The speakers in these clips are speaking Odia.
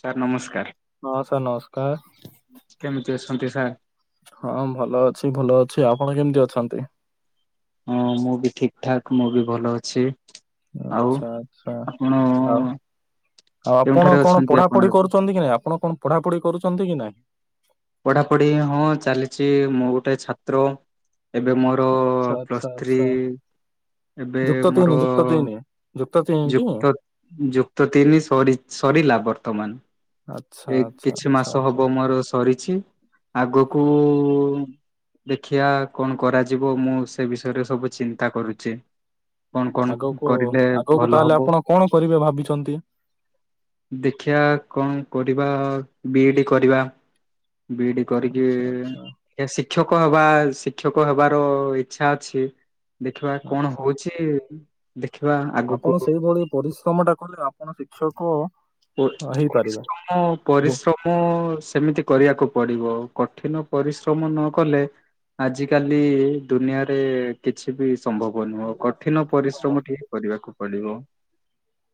ସାର୍ ନମସ୍କାର ହଁ ସାର୍ ନମସ୍କାର। କେମିତି ଅଛନ୍ତି ସାର୍? ହଁ ଭଲ ଅଛି ଭଲ ଅଛି ଆପଣ କେମତି ଅଛନ୍ତି? ହଁ ମୁଁ ବି ଠିକ ଠାକ୍ ମୁଁ ବି ଭଲ ଅଛି। ଆଉ ଆଚ୍ଛା ଆଚ୍ଛା ଆପଣ ଆଉ? ଆଉ ଆପଣ କେଉଁଠାରେ କଣ ଅଛନ୍ତି ଆପଣ ପଢାପଢି ଏବେ? କରୁଛନ୍ତି କି ନାଇଁ ଆପଣ କଣ ପଢାପଢି କରୁଛନ୍ତି କି ନାଇଁ? ପଢାପଢି ହଁ ଚାଲିଛି ମୁଁ ଗୋଟେ ଛାତ୍ର। ଏବେ ମୋର ଆଚ୍ଛା ଆଚ୍ଛା ପ୍ଲସ୍ ଥ୍ରୀ ଆଚ୍ଛା ଏବେ ଯୁକ୍ତ ମୋର ତିନି ଯୁକ୍ତ ତିନି ଯୁକ୍ତ ତିନିଟି ଯୁକ୍ତ ଯୁକ୍ତ ତିନି ସରିଛି ସରିଲା ବର୍ତ୍ତମାନ ଆଚ୍ଛା ଏଇ ଆଚ୍ଛା କିଛି ଆଚ୍ଛା ମାସ ଆଚ୍ଛା ହବ କରିଛି ଆଗକୁ ଦେଖିବା କଣ କରାଯିବ ମୁଁ ସେ ବିଷୟରେ ସବୁ ଚିନ୍ତା କରୁଚି। କଣ କଣ ଆଗକୁ କରିଲେ ଆଗକୁ ଭଲ ତାହେଲେ ହବ? ଆପଣ କଣ କରିବେ ଭାବିଛନ୍ତି? ଦେଖିବା କଣ କରିବା ବିଇଡି କରିବା। ବିଇଡି କରିକି ଆଚ୍ଛା ଆଚ୍ଛା ଶିକ୍ଷକ ହବା। ଶିକ୍ଷକ ହେବାର ଇଚ୍ଛା ଅଛି ଦେଖିବା କଣ ଆଚ୍ଛା ହଉଛି? ଦେଖିବା ଆଗକୁ ଆପଣ ସେଇଭଳି ପରିଶ୍ରମ ଟା କଲେ ଆପଣ ଶିକ୍ଷକ ହେଇପାରିବେ। ପରିଶ୍ରମ ପରିଶ୍ରମ ସେମିତି କରିବାକୁ ପଡିବ ଆ କଠିନ ପରିଶ୍ରମ ନ କଲେ ଆଜି କାଲି ଦୁନିଆରେ କିଛି ବି ସମ୍ଭବ ନୁହଁ କଠିନ ପରିଶ୍ରମ ଟିକେ କରି ରିବାକୁ ପଡିବ। ହ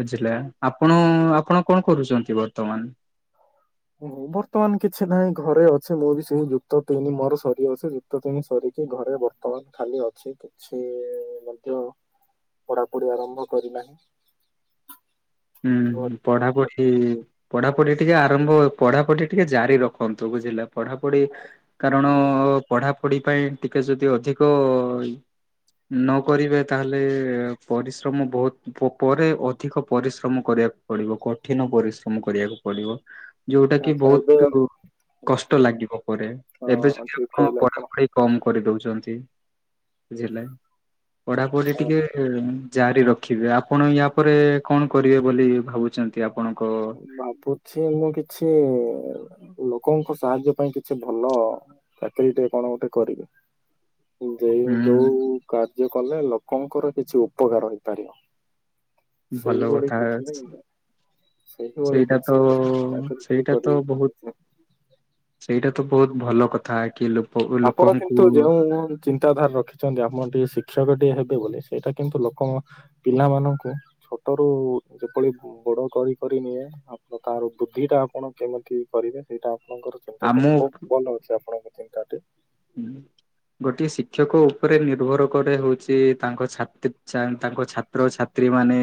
ବୁଝିଲେ ଆପଣ ଆପଣ କଣ କରୁଛନ୍ତି ବର୍ତ୍ତମାନ? ଓହୋ ବର୍ତ୍ତମାନ କିଛି ନାହିଁ ଘରେ ଅଛି ମୁଁ ବି ସେ ଯୁକ୍ତ ତିଣୀ ମୋର ସରି ଅଛି ଯୁକ୍ତତିଣ ସରି କି ଘରେ ବର୍ତ୍ତମାନ ଖାଲି ଅଛି କିଛି ମଧ୍ୟ ପଢାପଢ଼ି ଆରମ୍ଭ କରିନାହିଁ। ଘ ହୁଁ ପଢା ପଢି ପଢା ଟିକେ ଆରମ୍ଭ ପଢାପଢି ଟିକେ ଜାରି ରଖନ୍ତୁ ବୁଝିଲ ପଢାପଢି କାରଣ ପଢାପଢି ପାଇଁ ଟିକେ ଯଦି ଅଧିକ ନ କରିବେ ତାହେଲେ ପରିଶ୍ରମ ବହୁତ ପରେ ଅଧିକ ପରିଶ୍ରମ କରିବାକୁ ପଡିବ କଠିନ ପରିଶ୍ରମ କରିବାକୁ ପଡିବ। ଯୋଉଟା କି ଆଚ୍ଛା ଏବେ ବହୁତ କଷ୍ଟ ଲାଗିବ ପରେ ଏବେ ହଁ ଯଦି ଠିକ ଆପଣ କହିଲେ ପଢାପଢି କମ କରିଦଉଛନ୍ତି [unintelligible] ବୁଝିଲେ ପଢାପଢି ହଁ ଟିକେ ଉମ୍ ଜାରି ରଖିବେ ଆପଣ ୟା ପରେ କଣ କରିବେ ବୋଲି ଭାବୁଛନ୍ତି ଆପଣ? ଭାବୁଛି ମୁଁ କିଛି ଲୋକଙ୍କ ସାହାଯ୍ୟ ପାଇଁ କିଛି ଭଲ ଚାକିରୀ ଟେ କଣ ଗୋଟେ କରିବି। ଯେ ହୁଁ ଯୋଉ କାର୍ଯ୍ୟ କଲେ ଲୋକଙ୍କର କିଛି ଉପକାର ହେଇପାରିବ‌। ଭଲ ସେଇ ବଡ଼ି କଥା କିଛି [unintelligible] ସେଇ ଭଳି ସେଇଟା ତ କିଛି ଚାକରୀ ଟିଏ ସେଇଟା ତ କରିବି ବହୁତ ଭାବୁଚି ସେଇଟା ତ ବହୁତ ଭଲ କଥା କି ଲୋ ଆପଣ କିନ୍ତୁ ଯୋଉଁ ଚିନ୍ତାଧାରା ରଖିଛନ୍ତି ଆପଣ ଟିକେ ଶିକ୍ଷକ ଟେ ହେବେ ବୋଲି ସେଇଟା କିନ୍ତୁ ଲୋ ଙ୍କ ପିଲାମାନଙ୍କୁ ଛୋଟରୁ ଯେପଳି ବଡ କରି କରି ନିଏ ଆ କ ତା ଆଉ ବୁଦ୍ଧି ଟା ଆପଣ କେମିତି କରିବେ ସେଇଟା ଆପଣଙ୍କର ଚିନ୍ତା ଆମ କିନ୍ତୁ ବହୁତ ଭଲ ଅଛି ଆପଣଙ୍କ ଚିନ୍ତାଟି। ଗୋଟିଏ ଶିକ୍ଷକ ଉପରେ ନିର୍ଭର କରେ ହଉଛି ତାଙ୍କ ଛାତ୍ରି ଛା‌ ତାଙ୍କ ଛାତ୍ର ଛାତ୍ରୀ ମ ମାନେ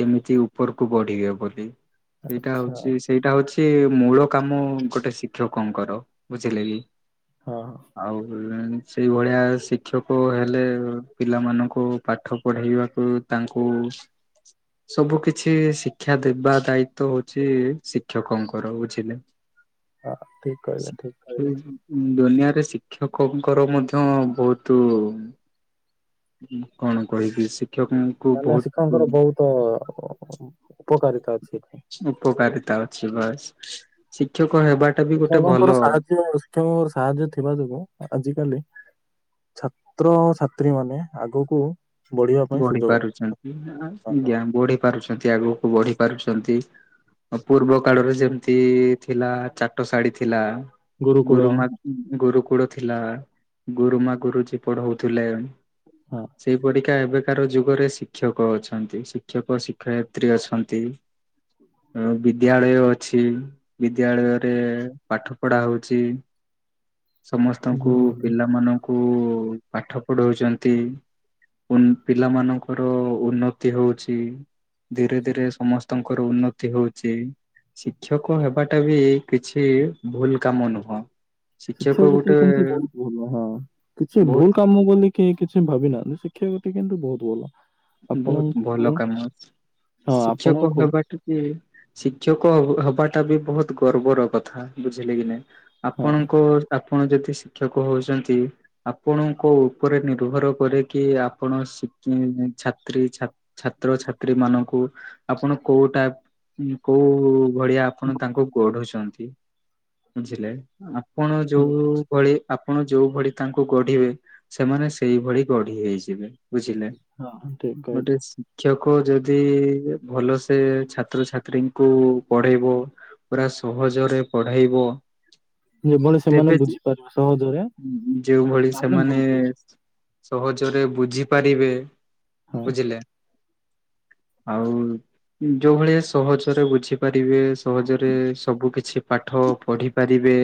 କେମିତି ଉପରକୁ ବଢିବେ ବୋଲି। ସେଇଟା ଆଚ୍ଛା ହଉଛି ସେଇଟା ହଉଛି ମୂଳ କାମ ଗୋଟେ ଶିକ ଙ୍କର ବୁଝିଲେ କି। ହଁ [unintelligible] ସେଇଭଳିଆ ଶିକ୍ଷକ ହେଲେ ପିଲାମାନଙ୍କୁ ପାଠ ପଢ଼େଇବାକୁ ତାଙ୍କ କଉ। ସବୁ କିଛି ଶିକ୍ଷା ଦେବା ଦାୟିତ୍ୱ ହଉଛି ଶିକ୍ଷକଙ୍କର ବୁଝିଲେ। ହଁ ଠିକ୍ କହିଲେ ଠିକ୍ କହିଲେ। ଏ ଶିକ୍ଷକଙ୍କର ମଧ୍ୟ ବହୁତ କଣ କହିବି ଶି ମାନେ ଶିକ୍ଷଙ୍କର ବହୁତ ଉପକାରିତା ଅଛି। ଏଠି। ଉପକାରିତା ଅଛି ବାସ୍ ଶିକ୍ଷକ ହେବାଟା ବି ଗୋଟେ ଭଲ ଶିକ୍ଷକଙ୍କର ସାହାଯ୍ୟ ଶିକ୍ଷକଙ୍କର ସାହାଯ୍ୟ ଥିବା ଯୋଗୁ ଆଜିିକାଲି ଛାତ୍ରଛାତ୍ରୀ ମାନେ ଆଗକୁ ବଢିବା ପାଇଁ ବଢି ସୁଯୋଗ ପାରୁଛନ୍ତି ଆଜ୍ଞା ବଢି ପାରୁଛନ୍ତି ଆଗକୁ ବଢି ପାରୁଛନ୍ତି ପୂର୍ବ କାଳରୁ ଯେମିତି ଥିଲା ଚାଟଶାଢ଼ୀ ଥିଲା। ଗୁରୁକୁଳ ଗୁରୁମା ଗୁରୁକୁଳ ଥିଲା। ଗୁରୁମା ଗୁରୁଜୀ ପଢଉଥିଲେ ହଁ। ସେଇପରି [unintelligible] ଏବେକାର ଯୁଗରେ ଶିକ୍ଷକ ଅଛନ୍ତି ଶିକ୍ଷକ ଶିକ୍ଷୟିତ୍ରୀ ଅଛନ୍ତି। ଆଉ ବିଦ୍ୟାଳୟ ଅଛି ବିଦ୍ୟାଳୟରେ ପାଠ ପଢା ହଉଛି। ସମସ୍ତଙ୍କୁ ହୁଁ ପିଲାମାନଙ୍କୁ ପାଠ ପଢଉଛନ୍ତି। ପୁନ‌ ପିଲା ମାନଙ୍କର ଉନ୍ନତି ହଉଛି। ଧୀରେ ଧୀରେ ସମସ୍ତଙ୍କର ଉନ୍ନତି ହଉଛି। ଶିକ୍ଷକ ହେବାଟା ବି କିଛି ଭୁଲ କାମ ନୁହଁ। ଶିକ୍ଷା ଶିକ୍ଷକ କ୍ଷେତ୍ରରେ ଗୋଟେ କିନ୍ତୁ ବହୁତ ଭଲ ହଁ କିଛି ବହୁତ ଭୁଲ କାମ କଲେ କିଏ କି ସେ ଭାବି ନାହାନ୍ତି ଶିକ୍ଷାଗତି କିନ୍ତୁ ବହୁତ ଭଲ। ବହୁତ ଆପଣଙ୍କୁ ଭଲ ହଁ କାମ ଅଛି। ଶିକ୍ଷକ ଆପଣଙ୍କୁ ହବା ଟା କି ଶିକ୍ଷକ ହ ହବା ତାବି ବହୁତ ଗର୍ବର କଥା ବୁଝିଲେ କି ନାଇ ହଁ। ଆପଣଙ୍କୁ ଆ ଆପଣ ଯଦି ଶିକ୍ଷକ ହଉଛନ୍ତି ଆପଣଙ୍କ ଉପରେ ନିର୍ଭର କରେ କିି ଆପଣ ଶି [inaudible] ଛାତ୍ରୀ ଛାତ ଛାତ୍ରଛାତ୍ରୀ ମାନଙ୍କୁ ଆପଣ କୋଉଟାପ ଉମ୍ କୋଉ ଭଳିଆ ଆପଣ ତାଙ୍କୁ ଗଢୁଛନ୍ତି ବୁଝିଲେ ଆପଣ ହୁଁ, ଯୋଉ ଭଳି ଆପଣ ଯୋଉ ଭଳି ତାଙ୍କୁ ଗଢିବେ ସେମାନେ ସେଇଭଳି ଗଢି ହେଇଯିବେ ବୁଝିଲେ। ହଁ ଠିକ୍ କହିଲ। ଲୋକ ଯଦି ଭଲ ସେ ଛାତ୍ରଛାତ୍ରୀଙ୍କୁ ପଢେଇବ ପୁରା ସହଜରେ ପଢାଇବ। [inaudible] ଯେଭଳି ସେମାନେ ବୁଝିପାରୁ ସହଜରେ ଯେଉଁଭଳି ତାହେଲେ ସେମାନେ ବହୁତ କିଛି ସହଜରେ ବୁଝିପାରିବେ ହଁ ବୁଝିଲେ। ଆଉ ଯୋଉ ଭଳିଆ ସହଜରେ ବୁଝିପାରିବେ। ସହଜରେ ସବୁ କିଛି ପାଠ ପଢିପାରିବେ।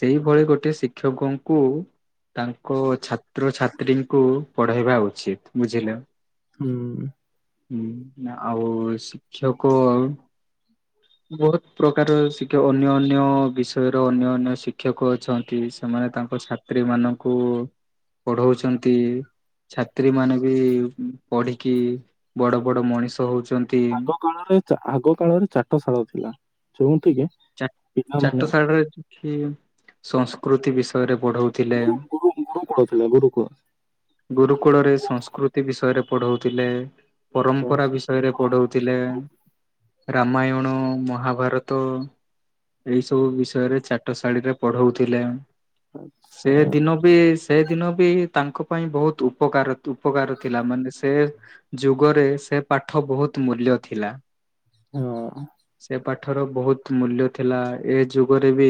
ସେଇଭଳି ଗୋଟେ ଶିକ୍ଷକଙ୍କୁ ତାଙ୍କ ଛାତ୍ରଛାତ୍ରୀଙ୍କୁ ପଢେଇବା ଉଚିତ୍ ବୁଝିଲେ। ହୁଁ। ହୁଁ ଆଉ ଶିକ୍ଷକ ଅ ବହୁତ ପ୍ରକାର ଶିକ୍ଷକ ଅନ୍ୟ ଅନ୍ୟ ବିଷୟରେ ଅନ୍ୟ ଅନ୍ୟ ଶିକ୍ଷକ ଅଛନ୍ତି। ସେମାନେ ତାଙ୍କ ଛାତ୍ରୀ ମାନଙ୍କୁ ପଢଉଛନ୍ତି। ଛାତ୍ରୀ ମାନେ ବି ପଢିକି ବଡ ବଡ ମଣିଷ ହଉଛୁ। ଆଗ କାଳରେ ଚା ଆଗ କାଳରେ ଚାଟଶାଳ ଥିଲା। ଯେଉଁଠି କି ଚାଟ ପିଲାମାନେ ଚାଟଶାଳରେ କି ସଂସ୍କୃତି ବିଷୟରେ ପଢଉଥିଲେ ଗୁରୁ ଗୁରୁ ଗୁରୁକୁଳ ଥିଲା ଗୁରୁକୁଳ। ଗୁରୁକୁଳରେ ସଂସ୍କୃତି ବିଷୟରେ ପଢଉଥିଲେ ପରମ୍ପରା ସଂସ୍କୃତି ବିଷୟରେ ପରମ୍ପରା ପଢଉଥିଲେ। ବିଷୟରେ ବହୁତ। ରାମାୟଣ ମହାଭାରତ ଏଇ ସବୁ ବିଷୟରେ ଚାଟଶାଳୀରେ ପଢଉଥିଲେ। ସେ ଆଚ୍ଛା, ଦିନ ବିସ୍ ସେ ଦିନ ବି ତାଙ୍କ ପାଇଁ ବହୁତ ଉପକାର ଉପକାର ଥିଲା। ମାନେ ସେ ଯୁଗରେ ସେ ପାଠ ବହୁତ ମୂଲ୍ୟ ଥିଲା। ହଁ ସେ ପାଠର ବହୁତ ମୂଲ୍ୟ ଥିଲା। ଏ ଯୁଗରେ ବି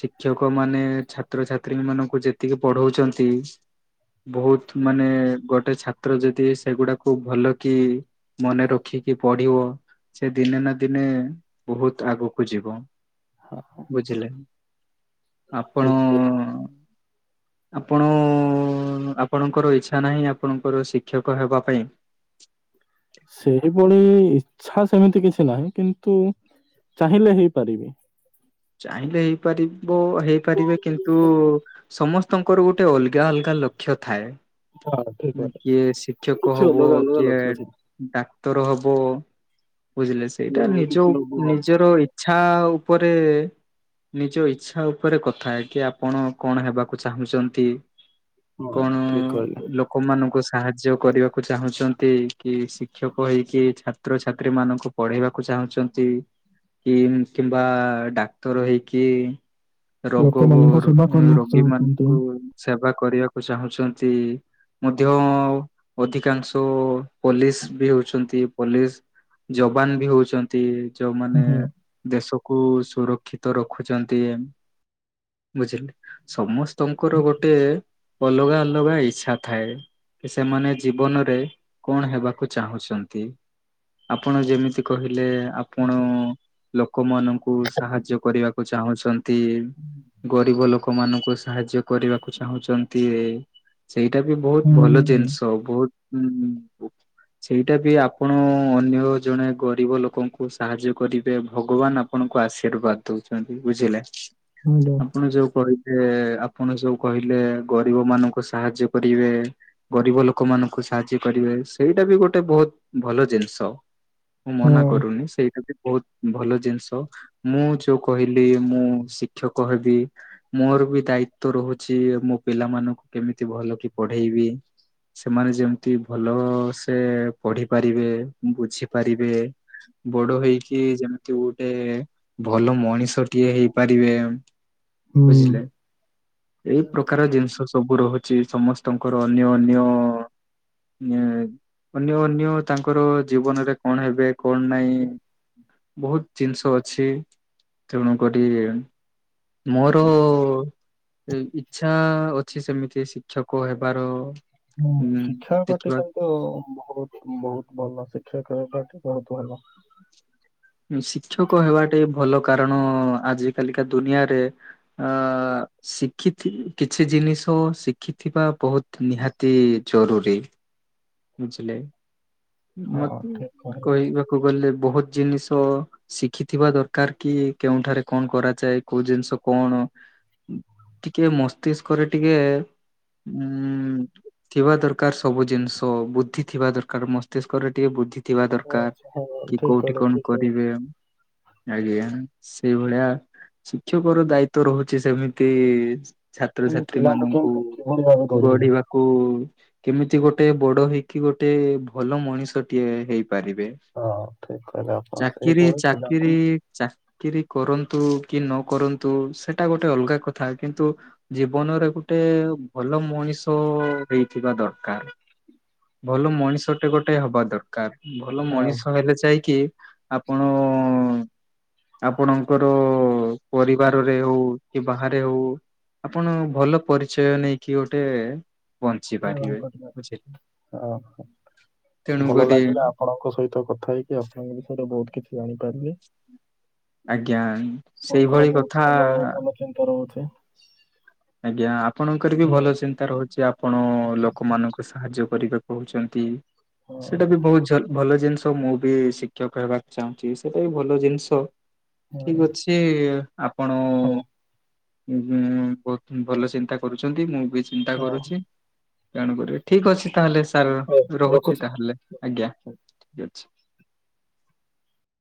ଶିକ୍ଷକ ମାନେ ଛାତ୍ରଛାତ୍ରୀ ମାନଙ୍କୁ ଯେତିକି ପଢଉଚନ୍ତି। ବହୁତ ମାନେ ଗୋଟେ ଛାତ୍ର ଯଦି ସେଗୁଡାକୁ ଭଲ କି ମନେ ରଖି ଯିଏ ପଢିବ ସେ ଦିନେ ନା ଦିନେ ବହୁତ ଆଗକୁ ଯିବ ହଁ ବୁଝିଲେ। ଆପଣ ଠିକ ଆପଣ ଆପ ଆପଣଙ୍କର ଇଚ୍ଛା ନାହିଁ ଆପଣଙ୍କର ଶିକ୍ଷକ ହେବା ପାଇଁ। ସେହିଭଳି ଇଛା ସେମିତି କିଛି ନାହିଁ। କିନ୍ତୁ ଚାହିଁଲେ ହେଇପାରିବି। ଚାହିଁଲେ ହେଇପାରିବ ହେଇପାରିବେ। କିନ୍ତୁ ସମସ୍ତଙ୍କର ଗୋଟେ ଅଲଗା ଅଲଗା ଲକ୍ଷ୍ୟ ଥାଏ। ହଁ ଠିକ୍ କଥା। କିଏ ଶିକ୍ଷକ କିଛି ହବ। ଅଲଗା ଅଲଗା କିଏ ଲକ୍ଷ୍ୟ ଥାଏ ଡାକ୍ତର ହବ। ବୁଝିଲେ କିଏ ସେଇଟା ଆଉ ନିଜ କିଛି ହବ ନିଜର ଇଚ୍ଛା ଉପରେ ନିଜ ଇଚ୍ଛା ଉପରେ କଥା କି ଆପଣ କଣ ହେବାକୁ ଚାହୁଁଛନ୍ତି। ହଁ କଣ ଠିକ୍ କହିଲେ। ଲୋକମାନଙ୍କ ସାହାଯ୍ୟ କରିବାକୁ ଚାହୁଁଛନ୍ତି। କି ଶିକ୍ଷକ ହେଇକି ଛାତ୍ରଛାତ୍ରୀ ଏମାନଙ୍କୁ ପଢେଇବାକୁ ଚାହୁଁଛନ୍ତି। କିମ୍ କିମ୍ବା ଡାକ୍ତର ହେଇକି ରୋଗକୁ ଲୋକମାନଙ୍କ ସେବା କରିବାକୁ ଚାହୁଁଛନ୍ତି ରୋଗୀମାନଙ୍କୁ ସେବା କରିବାକୁ ଚାହୁଁଛନ୍ତି। ମଧ୍ୟ ଅଧିକାଂଶ ପୋଲିସ୍ ବି ହଉଛନ୍ତି। ପୋଲିସ୍ ଯବାନ ବି ହଉଛନ୍ତି। ଯୋଉମାନେ ହଁ। ଦେଶକୁ କୁ ସୁରକ୍ଷିତ ରଖୁଛନ୍ତି। ବୁଝିଲେ ସମସ୍ତ ତଙ୍କର ଗୋଟେ ଅଲଗା ଅଲଗା ଇଚ୍ଛା ଥାଏ। ସେମାନେ ଜୀବନରେ କଣ ହେବାକୁ ଚାହୁଁଚନ୍ତି? ଆପଣ ଯେମିତି କହିଲେ ଆପଣ ଲୋକମାନଙ୍କୁ ସାହାଯ୍ୟ କରିବାକୁ ଚାହୁଁଚ ନ୍ତି ଗରିବ ଲୋକ ମାନଙ୍କୁ ସାହାଯ୍ୟ କରିବାକୁ ଚାହୁଁଛନ୍ତି। ଏଇଟା ବି ବହୁତ ହୁଁ ଭଲ ଜିନିଷ। ବହୁତ ସେଇଟା ବି ଆପଣ ଅନ୍ୟ ଜଣେ ଗରିବ ଲୋକଙ୍କୁ ସାହାଯ୍ୟ କରିବେ ଭଗବାନ ଆପଣଙ୍କୁ ଆଶୀର୍ବାଦ ଦଉଚନ୍ତି। ବୁଝିହେଲା ହାଲୋ ଆପଣ ଯୋଉଁ କହିଲେ ଆପଣ ଯୋଉଁ କହିଲେ ଗରିବ ମାନଙ୍କୁ ସାହାଯ୍ୟ କରିବେ ଗରିବ ଲୋକମାନଙ୍କୁ ସାହାଯ୍ୟ କରି ସେଇଟା ବି ଗୋଟେ ବହୁତ ଭଲ ଜିନିଷ ମୁଁ ମନା କରୁନି ସେଇଟା ବି ବହୁତ ହ ଭଲ ଜିନିଷ ମୁଁ ଯୋଉଁ କହିଲି ମୁଁ ଶିକ୍ଷକ ହେବି ମୋର ବି ଦାୟି ତ ରହୁଛି ମୋ ପିଲାମାନଙ୍କୁ କେମିତି ଭଲ କି ପଢେଇବି। ସେମାନେ ଯେମିତି ଭଲ ସେ ପଢିପାରିବେ। ବୁଝିପାରିବେ ବଡ ହେଇକି ଯେମିତି ଗୋଟେ ଭଲ ମଣିଷ କିଏ ହେଇପାରିବେ ହୁଁ। ବୁଝିଲେ ଏଇ ପ୍ରକାର ଜିନିଷ ସବୁ ରହୁଛି ସମସ୍ତଙ୍କର ଅନ୍ୟ ଅନ୍ୟ ଅନ୍ୟ ଅନ୍ୟ ତାଙ୍କର ଜୀବନରେ କଣ ହେବେ କଣ ନାହିଁ। ବହୁତ ଜିନିଷ ଅଛି ତେଣୁ କରି ମୋର ଇଛା ଅଛି ସେମିତି ଶିକ୍ଷକ ହେବାର ହୁଁ ଉଁ ଶିକ୍ଷକଟି ଦେଖିବା କିନ୍ତୁ ବହୁତ ବହୁତ ଭଲ ଶିକ୍ଷକ ହେବା ଟା ବହୁ ଶିକ୍ଷକ ହେବାଟା ବି ଭଲ କାରଣ ଆଜିିକାଲିକା ଦୁନିଆରେ ଅ ଶିଖି କିଛି ଜିନିଷ ତ ଶିଖିଥିବା ବହୁତ ନିହାତି ଜରୁରୀ ବୁଝିଲେ ହଁ ମତେ ଠିକ୍ କହିଲ। କହିବାକୁ ଗଲେ ବହୁତ ଜିନିଷ ଶିଖିଥିବା ଦରକାର କି କେଉଁଠାରେ କଣ କରାଯାଏ କୋଉଁ ଜିନିଷ କଣ ଟିକେ ମସ୍ତିଷ୍କରେ ଟିକେ ଉଁ ଥିବା ଦରକାର ସବୁ ଜିନିଷ ବୁଦ୍ଧି ଥିବା ଦରକାର ମସ୍ତ ଟିକେ ବୁଦ୍ଧି ଥିବା ଆଚ୍ଛା ଦରକାର ଆଚ୍ଛା ହଁ କି ଠିକ୍ କୋଉଁଠି କହିଲେ କଣ ଠିକ୍ କହିଲେ। କରିବେ। ଆଜ୍ଞା ସେଇ ଭଳିଆ ଶିକ୍ଷକ ର ଦାୟିତ୍ଵ ରହୁଛି ସେମିତି ଆମେ ଛାତ୍ରଛାତ୍ରୀ ପିଲାଙ୍କୁ ମାନଙ୍କୁ କେମିତି କିଭଳି ଭାବେ ଗଢିବ ଗଢିବାକୁ କେମିତି ଗୋଟେ ଗୋଟେ ବଡ ହେଇକି ଗୋଟେ ଭଲ ମଣିଷଟିଏ ହେଇ ହଁ ଠିକ କହିଲେ ଆପଣ ଚାକିରି ସେଇଭଳି ପିଲାଙ୍କୁ ଚାକିରି ଚାକିରି କରନ୍ତୁ। କି ନ କରନ୍ତୁ ସେଟା ଗୋଟେ ଅଲଗା କଥା କିନ୍ତୁ ଜୀବନରେ ଗୋଟେ ଭଲ ମଣି ମଣିଷ ହେଇଥିବା ଦରକାର ଭଲ ମଣିଷ ଗୋଟେ ଗୋଟେ ହବା ଦରକାର ଭଲ ହଁ ମଣିଷ ହେଲେ ଯାଇକି ଆପଣ ଆପଣଙ୍କର ପରିବାରରେ ହଉ କି ବାହାରେ ହଉ ଆପଣ ଭଲ ପରିଚୟ ନେଇକି ଗୋଟେ ପହଞ୍ଚି ବ୍ୟବହାର ପାରିବେ କରିବା ବୁଝିଲେ। ହଁ ଭଲ ତେଣୁକରି ଲାଗିଲା ଆପଣଙ୍କ ସହିତ କଥା ହେଇକି ଆପଣଙ୍କ ବିଷୟରେ ବହୁତ କିଛି ଜାଣିପାରିଲି। ଆଜ୍ଞା ଆପଣଙ୍କର ସେଇଭଳି ବହୁତ କଥା ଭଲ ଭଲ ଚିନ୍ତା ରହୁଚି। ଆଜ୍ଞା ଆପଣଙ୍କର ବି ଭଲ ଚିନ୍ତା ରହୁଛି ଆପଣ ଲୋକମାନଙ୍କୁ ସାହାଯ୍ୟ କରିବାକୁ କହୁଛନ୍ତି ହଁ ସେଇଟା ବି ବହୁତ ଭଲ ଜିନିଷ ମୁଁ ବି ଶିକ୍ଷକ ହେବାକୁ ଚାହୁଁ ସେଇଟା ବି ଭଲ ଜିନିଷ ହଁ ଠିକ ଅଛି ଆପଣ ହଉ ବହୁତ ଭଲ ଚିନ୍ତା କରୁଛନ୍ତି ମୁଁ ବି ଚିନ୍ତା ହଉ କରୁଚି। ଜାଣୁ କରିବ ଠିକ ଅଛି ତାହେଲେ ସାର୍ ହଉ ରହୁଛି ରଖୁଛି। ତାହେଲେ ଆଜ୍ଞା ଠିକ ଅଛି।